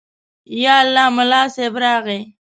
_يالله، ملا صيب راغی.